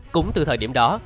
cũng từ thời điểm đó